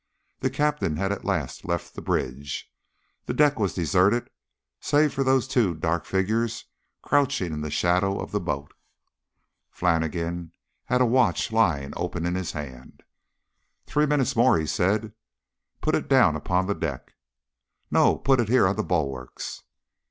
The Captain had at last left the bridge. The deck was deserted, save for those two dark figures crouching in the shadow of the boat. Flannigan had a watch lying open in his hand. "Three minutes more," he said. "Put it down upon the deck." "No, put it here on the bulwarks."